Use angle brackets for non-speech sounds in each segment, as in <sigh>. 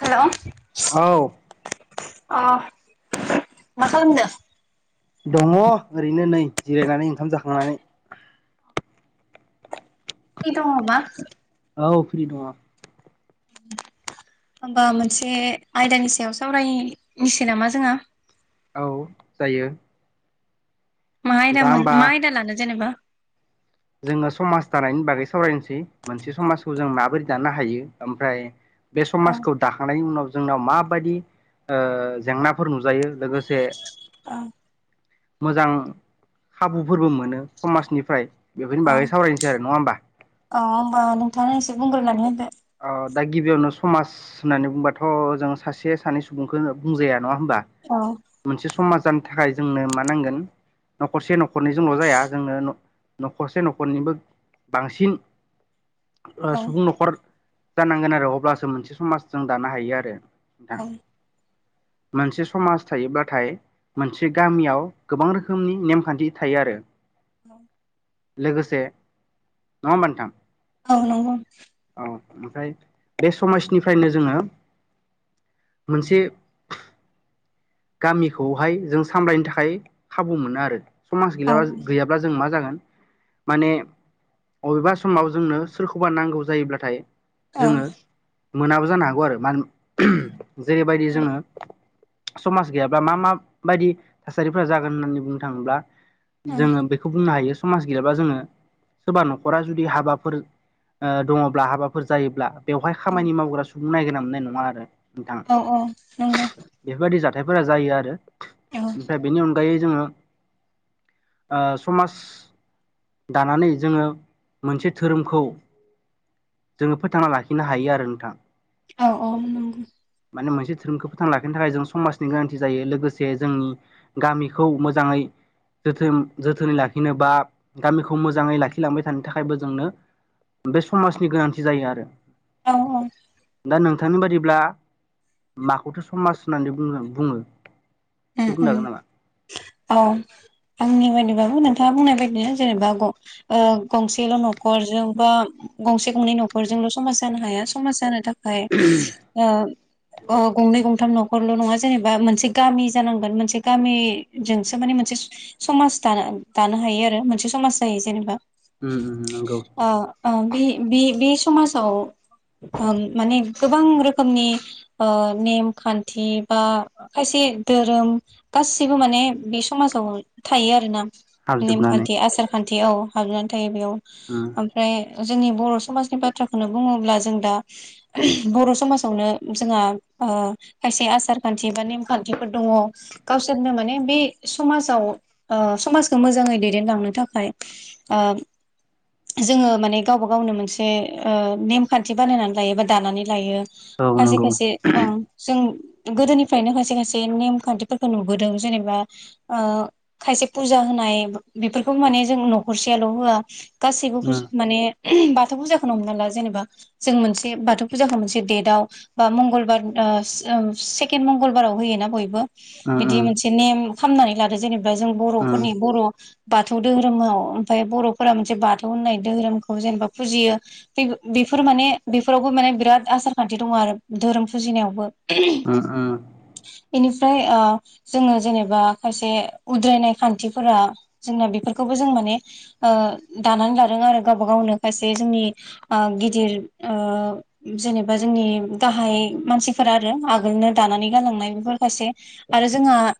Hello. औ अ मा खालामदो? दङ ओरैनो नै जिरायनानै ओंखाम जाखांनानै ओइ दङबा औ फ्रि दङ <inaudible> होमबा मोनसे आयदानि सायाव सावरायनिसै नामा जोंहा औ जायो मा दा आयदामोन होमबा मा आयदा लानो जेनेबा जोङो समाज दानायनि बागै सावरायनोसै मोनसे समाजखौ जों माबोरै दानो हायो ओमफ्राय बे औ समाजखौ दाखांनायनि उनाव जोंनाव माबायदि ओ जेंनाफोर नुजायो लोगोसे ओं मोजां खाबुफोरबो मोनो समाजनिफ्राय बेफोरनि औ बागै सावरायनोसै आरो नङा होमबा औ होमबा नोंथाङा एसे बुंग्रोनानै होदो अ दा गिबियावनो समाज होननानै बुंबाथ' जों सासे सानै सुबुंखो बुंजाया नङा होमबा औ मोनसे समाज जानो थाखाय जोंनो मा नांगोन न'खरसे न'खरनैजोंल' जाया जोंनो न'खरसे न'खरनिबो बांसिन ओ सुबुं औ न'खर जानांगोन आरो अब्लासो मोनसे समाज जों दानो हायो आरो थां मोनसे समाज थायोब्लाथाय मोनसे गामियाव गोबां रोखोमनि नेमखान्थि थायो आरो <inaudible> लोगोसे नङा होनबा नोंथां औ नंगौ औ ओमफ्राय बे समाजनिफ्रायनो जोङो मोनसे गामिखौहाय जों सामलायनो थाखाय खाबु मोनो आरो समाज औ गैलाबा गैयाब्ला जों मा जागोन माने अबेबा समाव जोंनो सोरखौबा नांगौ जायोब्लाथाय औ जोङो मोनाबो जानो हागौ आरो मान जेरैबायदि जोङो समाज गैयाब्ला मा माबायदि थासारिफ्रा जागोन होननानै बुंनो थाङोब्ला औ जोङो बेखौ बुंनो हायो समाज गैयाबा जोङो सोरबा न'खरा जुदि हाबाफोर ओ दङब्ला हाबाफोर जायोब्ला बेवहाय खामानि मावग्रा सुबुं नायगिरना मोननाय नङा आरो नोंथां औ औ नंगौ हाथायफोरा जायो आरो औ ओमफ्राय बेनि अनगायै जोङो ओ समाज दानानै जोङो मोनसे धोरोमखौ जोङो फोथांना लाखिनो हायो आरो नोंथां औ औ नंगौ माने मोनसे धोरोमखौ फोथां लाखिनो थाखाय जों समाज नि गोनांथि जायो लोगोसे जोंनि गामिखौ मोजाङै जोथोन जोथोनै लाखिनो बा गामिखौ मोजाङै लाखिलांबाय थानो थाखायबो जोंनो बे समाजनि गोनांथि जायो आरो औ औ दा नोंथांनि बादिब्ला माखौथो समाज होननानै बुङो एसे उम बुंनो उम हागोन नामा औ आंनि बायदिबा बो नोंथाङा बुंनाय बायदिनो जेनेबा गं ओ गंसेल' न'खरजों बा गंसे गंनै न' खरजोंल' समाज जानो हाया समाज जानो था खाय ओ गंनै गंथाम न'खरल' नङा जेनेबा मोनसे गामि जांगोन मोनसे गामिजोंसो माने मोनसे समाज दानो दानो हायो आरो मोनसे समाज जायो जेबा उम उम नंगौ ओ ओ बे बे बे समाजाव ओ माने गोबां रोखोमनि ओ नेम खान्थि बा खायसे धोरोम गासिबो माने बे समाजाव थायो आरोना हाबजोबनानै नेमखान्थि आसार खान्थि औ हाबनानै थायो बेयाव उम ओमफ्राय जोंनि बर' समाजनि बाथ्राखौनो बुङोब्ला जों दा बर' समाजावनो जोंहा ओ खायसे आसार खान्थि बा नेमखा थिफोर दङ गावसोरनो माने बे समाजाव ओ समाजखौ मोजाङै दैदेनलांनो था खाय ओ जोङो माने गावबा गावनो मोनसे ओ नेमखान्थि बानायनानै लायो बा दानानै लायो। औ खसे नंगौ उम खायसे ओं जों गोदोनिफ्रायनो खायसे खाय से नेम खान्थिफोरखौ नुबोदों जेनेबा ओ खायसे फुजा होनाय बेफोरखौ मोन ने जों न'खर सेयाल' होआ गासैबो माने बाथौ फुजाखौ नो हमना ला जेनेबा जों मोनसे बाथौ फुजाखौ मोनसे दडेटआव बा मंगलबार ओ ओं सेकेण्ड मंगलबाराव होयोना बयबो उम बिदि मोनसे नेम खालामामनानै लादो जेनेबा जों उम उम बर'फोरनि बर' बाथौ धहोरोमाव ओमफाय बर'फोरा मोनसे बाथौ होननाय धोरोमखौ जेनेबा फुजियो बे-बे बेफोर माने बेफोरावबो माने बिराद आसार खान्थि दङ आरो धोरोम फुजिनायावबो उम उम बेनिफ्राय ओ जोङो जेनेबा खायसे उद्रायनाय खान्थिफोरा जोंना बेफोरखौबो जों माने ओ दानानै लादों आरो गावबा गावनो खायसे जोंनि ओ गिदिर ओ जेनेबा जोंनि गाहाय मानसिफोरा आरो आगोलनो दानानै गालांनाय बेफोर खायसे आरो जोंहा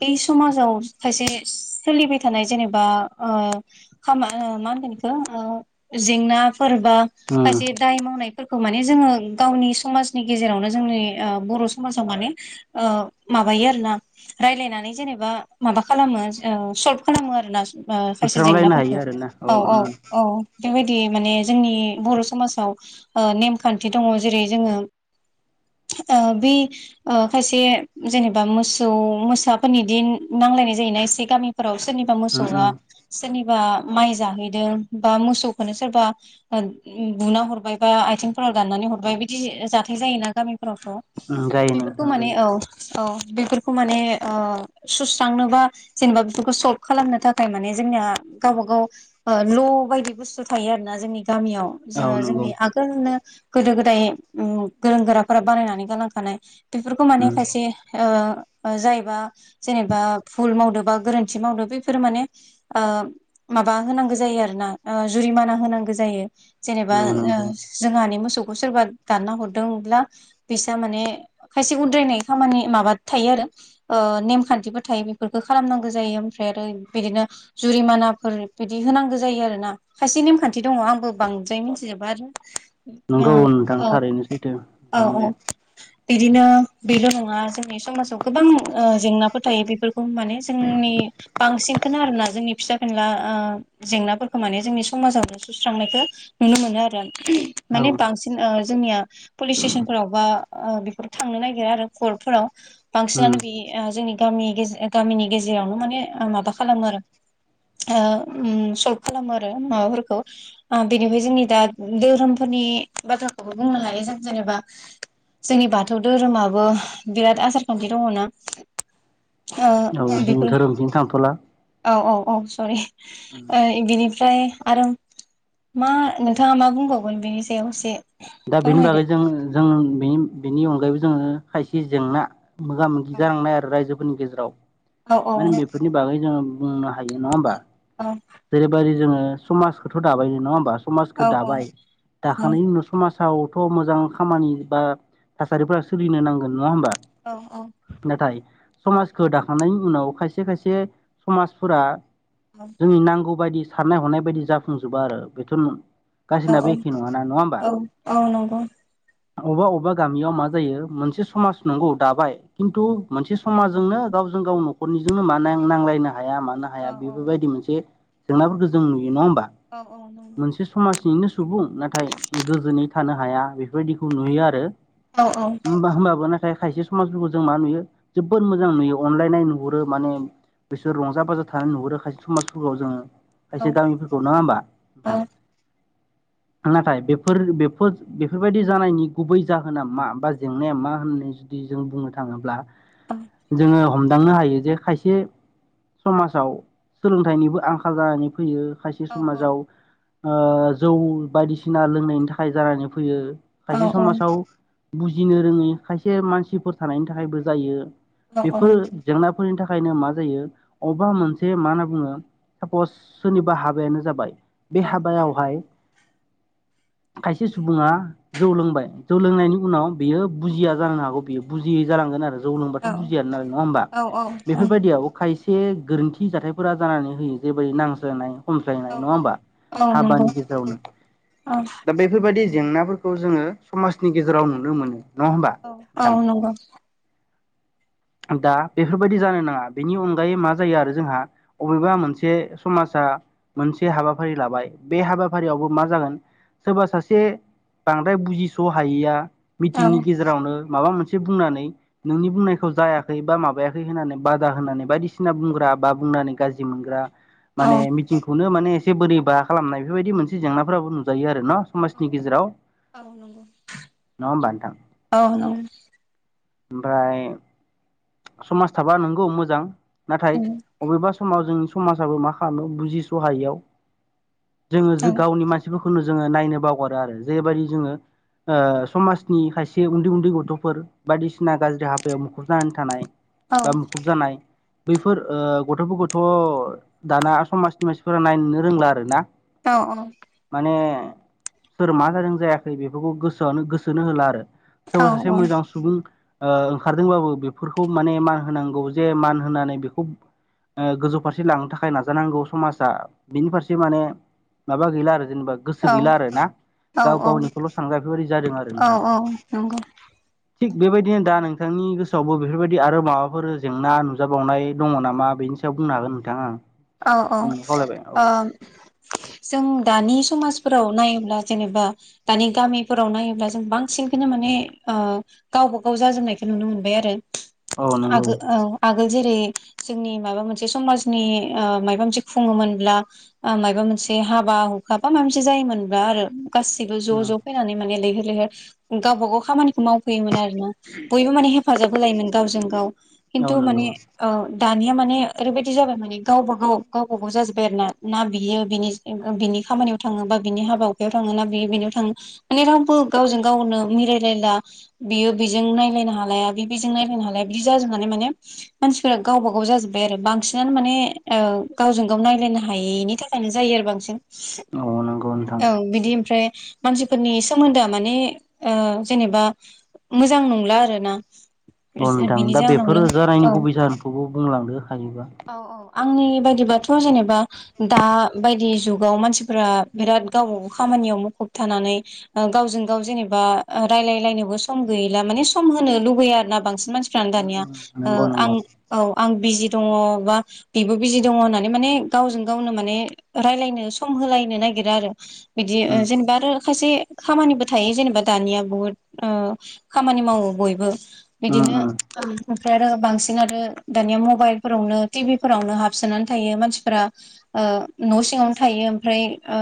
बे समाजाव खायसे सोलिबाय थानाय जेनेबा ओ खामा मा ओ होनगोन बेखौ जेंना फोरबा उम खायसे दाय मावनाय फोरखौ माने जोङो गावनि समाजनि गेजेरावनो जोंनि ओ बर' समाजाव माने ओ माबायो आरो ना रायलायनानै जेनेबा माबा खालामो ओ सल्भ खालामो आरोना ओ सायसे सुस्रांलायनो जेंनाफोरखौ हायो आरोना औ औ उम औ बेबायदि माने जोंनि बर' समाजाव ओ नेमखान्थि दङ जेरै जोङो ओ बे ओ खायसे जेनेबा मोसौ मोसाफोरनि दिन नांलायनाय जायोना एसे गामि फोराव सोरनिबा मोसौहा उम सोरनि बा माइ जाहैदों बा मोसौखौनो सोरबा बुना हरबाय बा आथिंफो फोराव दाननानै हरबाय बिदि जाथाय जायोना गामिफोरावथ' उम जायो बेफोरखौ नोंथां माने जायो औ औ बेफोरखौ माने ओ सुस्रांनोबा जेनेबा बेफोरखौ सल्भ खालामनो थाखाय माने जोंनिया गावबा गाव ओ ल' बायदि बुस्थु थायो आरोना जोंनि गामियाव जा औ नंगौ जोंनि आगोलनो गोदो-गोदाय उम गोरों गोराफोरा बानायनानै गालांखानाय बेफोरखौ माने उम खायसे ओ ओ जायबा जेनेबा भुल मावद बा गोरोन्थि मावदो बेफोरो माने ओ माबा होनांगौ जायो आरोना ओ जुरिमाना होनांगौ जायो जेनेबा औ ओं नंगौ जोंहानि मोसौ सोरबा दानना हरदोंब्ला फैसा माने खायसे उद्रायनाय खामानि माबा थायो आरो नेमखान्थिबो थायो बेफोरफोरखौ खालामनांगौ जायो ओमफ्राय आरो बिदिनो जुरिमानाफोर बिदि होनांगौ जायो आरो ना खायसे नेमखान्थि दङ आंबो बांद्राय मिथिजोबा आरो नंगौ नोंथां औ थारैनो सैथो औ नोंथां औ बुंनाया बिदिनो बेल' नङा जोंनि समाजाव गोबां जेंनाफोर थायो बेफोरखौ माने जोंनि बांसिन बेखौनो आरोना जोंनि फिसा फिनला ओ जेंनाफोरखौ माने जोंनि समाजावनो सुस्रांनायखौ नुनो मोनो आरो औ माने बांसिन ओ जोंनिया पुलिस स्टेसनफोराव बा बेफोराव थांनो ना गिरा आरो कर्फोराव उम बांसिनानो बे जोंनि गामिनि गेजेरावनो माने माबा खालामो आरो ओ उम सल्भ खालामो आरो माबाफोरखौ आ बेनिफाय जोंनि दा दोरोम फो <unintelligible> नि बाथ्राखौबो बुंनो हायो जों जेनेबा जोंनि बाथौ दोरोमाव बो बिराद आसार खान्थि दङ' ना औ ओह जों बेफोर धोरोमथिं थांथ'ला औ औ। औ सरि ओ इदिफ्राय आरो मा नोंथाङा मा बुंबावगोन बेनि सायाव एसे दा बेनि फोरमायदो बागै जों जों बेनि बेनि अनगायैबो जोङो खायसे जेंना मोगा मोगि औ जानांनाय आरो रायजोफोरनि गेजेराव औ माने बेफोरनि बागै जोङो <unintelligible> बुंनो हायो नङा होमबा औ जेरैबायदि जोङो समाजखौथ' दाबायनो नङा होमबा? समाजखो औ दाबाय औ दाखांनायनि उनाव समाज सावथ' मोजां खामानि बा थासारिफोरा सोलिनो नांगोन नङा होमबा औ औ नाथाय समाजखौ दाखांनायनि उनाव खायसे खायसे समाजफोरा जोंनि नांगौ बायदि साननाय हनाय बायदि जाफुंजोबा आरो बेथ' <unintelligible> औ गासिनाबो एखे नङाना नङा होमबा? औ औ नंगौ अबेबा अबेबा गामियाव मा जायो मोनसे समाज नंगौ दाबाय खिन्थु मोनसे समाजजोंनो गाव जों गावन नखरनिजोंनो माने नांलायनो हाया मानो औ हाया औ बेफोरबायदि मोनसे जेंनाफोरखौ जों नुयो नङा <unintelligible> बा औ औ नंगौ मोनसे समाजनिनो सुबुं नाथाय गोजोनै थानो हाया बेफोरबायदिखौ नुयो आरो औ औ औ होमबा <unintelligible> फ्राय खायसे समाजफोरखौ जों मा नुयो जोबबोद मोजां नुयो अनलायनाय नु <unintelligible> हरो माने बिसोर रंजा बाजा थानाय नुहरो खायसे समाजाव जोङो। औ खायसे गामिफोरखौ नङा होमबा नोंथां <inaudible> नाथाय बेफोर बेफोर बेफोरबायदि जानायनि गुबै जाहोना मा बा जेंनाया मा होननाय जुदि जों बुंनो थाङोब्ला जोङो हमदांनो हायो जे खायसे समाजाव सोलोंथाइनिबो आंखाल जानानै फैयो। खायसे औ समाजाव ओ जौ बायदिसिना लोंनायनि थाखाय जानानै फैयो। औ खायसे समाजाव बुजिनो रोङै खायसे मानसिफोर थानायनि थाखायबो जायो। बेफोर जेंनाफोरनि थाखायनो मा जायो अबेबा मोनसे मा होनना बुङो सापस सोरनिबा हाबायानो जाबाय बे हाबायावहाय खायसे सुबुङा जौ लोंबाय जौ लोंनायनि उनाव बियो बुजिया जालांनो हागौ बियो बुजियै जालांगोन आरो जौ लोंबाथ' बुजिया नाल <unintelligible> नङा होमबा औ बेफोरबायदियाव खाय एसे गोरोन्थि जाथायफोरा जानानै होयो जेबोयै नांज्लायनाय खमज्लायनाय औ नङा होमबा औ नंगौ हाबानि गेजेरावनो औ दा बेफोरबायदि जेंनाफोरखौ जोङो समाजनि गेजेराव नुनो मोनो। नङा होमबा औ नोंथां औ नंगौ। दा बेफोरबायदि जानो नाङा बेनि अनगायै मा जायो आरो जोंहा अबेबा मोनसे समाजा <unintelligible> मोनसे हाबाफारि लाबाय बे हाबाफारियावबो मा जागोन सोरबा सासे बांद्राय बुजिस' हायैया औ मिटिंनि गेजेरावनो माबा मोनसे बुंनानै नोंनि बुंनायख खौ जायाखै बा माबायाखै होननानै बादा होननानै बायदिसिना बुंग्रा बा बुंनानै गाज्रि मोनग्रा औ माने मिटिंखौनो माने एसे बोरै बा खालामनाय बेफोरबायदि मोनसे जेंनाफोराबो नुजायो आरो न'। औ समाजनि गेजेराव औ नंगौ। नङा होमबा नोंथां। औ नंगौ ओमफाय समाज थाबा नंगौ मोजां नाथाय अबेबा स समाव जोंनि समाजाबो मा खालामो बुजिसहायैयाव जोङो औ जो गावनि मानसिखौ खौनो जोङो नायनो बावगारो आरो जेरैबायदि जोङो ओ समाजनि खायसे उन्दै उन्दै गथ'फोर बायदिसिना गाज्रि हाबायाव मुख खुब जानानै थानाय औ बा मुखुब जानाय। बैफोर ओ गथ'फोरखौथ' दाना समाजनि मानसिफोरा नायनोनो रोंला आरोना। माने। सोर मा जादों जायाखै बेफोरखौ गोसोआनो गोसोनो होला आरो। औ सोरबा सासे मोजां सुबुं ओंखारदोंबाबो। बेफोरखौ माने मान होनांगौ जे मान होनानै बेखौ। गोजौ फारसे लांनो थाखाय नाजानांगौ समाजा बिनि फारसे माने माबा गैला आरो। जेनेबा गोसो गैला आरो औ गाव गावनिखौल' सानग्रा बेफोरबायदि जादों आरो औ नोंथां। औ <inaudible> थिग बेबायदिनो दा नोंथांनि। आवबो बेफोरबायदि आरो माबाफोर जेंना नुजाबावनाय दंङ नामा बेनि सायाव बुंनो हागोन नोंथाङा। औ औ बुंनो खावलायबाय औ जों दानि। समाजफोराव नायोब्ला जेनेबा दानि गामिफोराव नायोब्ला जों बांसिनखौनो माने। गावबा गाव जाजोबनायखौ नुनो मोनबाय आरो। औ नंगौ आगोल औ आगोल जेरै जोंनि माबा मोनसे समाजनि। माबा मोनसे खुङोमोनब्ला माबा मोनसे हाबा हुखा बा माबा मोनसे जायोमोनब्ला आरो। गासिबो ज ज औ फैनानै माने लैहोर लैहोर गावबा गाव खामानिखौ। मावफैयोमोन आरोना बयबो माने हेफाजाब होलायोमोन गावजों गाव खिन्थु माने। नंगौ दानिया माने ओैबायदि जाबाय माने। गावबा गाव गावबा गाव जाजोब्बाय आरोना ना बियो बिनि बिनि खामानियाव थांङो बा बिनि हाबा हुखायाव थांङो। बिनियाव थांङो माने रावबो गावजों गावनो मिलायलायला बियो बेजों नायलायनो हा हालाया बे बिदिजों नायनो हालाया बिदि जाजोबनानै माने मानसिफोरा गावबा गाव जाजोब्बाय आरो बांसिनानो माने। गावजों गाव नायलायनो हायैनि थाखायनो जायो आरो बांसिन। औ नंगौ नोंथां। औ बिदि ओमफ्राय मानसिफोरनि सोमोन्दोआ माने जेनेबा। मोजां नंला आरो ना। औ नोंथां बिनि दा बेफोरो जाहोनावनो जानायनि औ गुबै जाहोनखौबो बुंलांदो हायोबा। औ औ आंनि बायदिबाथ जेनेबा दा बायदि जुगाव मानसिफोरा बिराद गावबागाव खाम नि याव मुखुब थानानै गावजों गाव जेनेबा रायलायलायनोबो सम गैला माने सम हो लुबै आरोना बांसिन मानसिफ्रानो दानिया नंगौ आं नंगौ औ आं बिजि दंङ हा। बेबो बिजि दंङ होननानै माने गावजों गावनो माने रायलायनो सम होलायनो नागिरा आरो। बिदि जेनेबा आरो खायसे। खामानिबो थायो जेनेबा दानिया बुहुद खामानि मावो बयबो। बिदिनो नंगौ ओमफ्राय आरो बांसिन आरो दानिया मबाइलफोरावनो टि भि। फ्रावनो हाबसोना थायो मानसिफोरा न' सिङावनो थायो ओमफ्राय गा।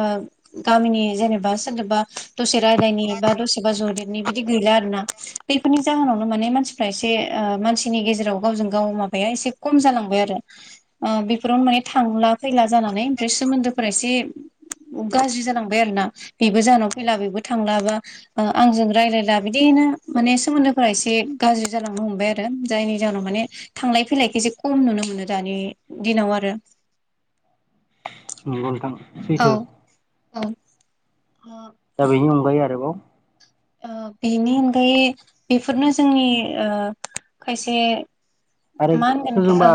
गामिनि जेनेबा सोरनोबा दसे रायलायनि बा दसेबा जदेरनि बिदि गैला आरोना। बेफोरनि जाहोनावनो माने मानसिफ्रा एसे मानसिनि गेजेराव गावजों गाव माबाया एसे खम जालांबाय आरो। बेफोरावनो माने थांला फैला जानानै ओमफ्राय सोमोन्दोफोरा एसे। गाज्रि जालांबाय आरोना बेबो जोंहानाव फैला बेबो थां ला। आंजों रायलायला बिदिनो माने सोमोन्दोफोरा एसे गाज्रि जालांनो हमबाय आरो जायनि जा याव माने थांलाय फैलायखौ एसे खम नुनो मोनो। दानि दिनाव आरो। नंगौ नोंथां। सैथो औ औ दा बेनि अनगायै आरोबाव ओ बेनि अनगायै बेफोरनो जोंनि ओ खायसे आरो मा होनगोन इखो सोरजोंबा ओ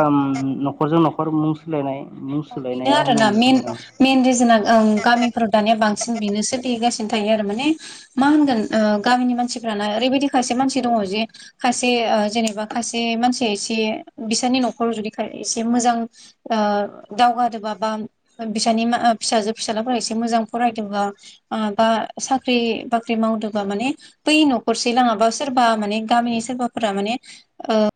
नखरजों नखर मुं सोलायनाय मुं औ बेनो सोलायनाय आरोना होननानै मेन बुङो आं मेन रिजोना ओं गामिफोराव दानिया बांसिन बेनोसो दगासिनो थायो आरो माने मा होनगोन ओ गामिनि मानसिफ्राना ओरैबायदि खासे मानसि दंङ जे खासे ओ जेनेबा खायसे मानसिया एसे बिसोरनि न'खराव जुदि खा एसे मोजां ओ दावगादोंबा बा बिसानि मा ओ फिसाजो फिसालाफोरा एसे मोजां फरायदोंबा ओ बा साख्रि बाख्रि मावदोंबा माने बै न'खरसे लाङाबा सोरबा माने गामिनि सोरबाफोरा माने ने ओ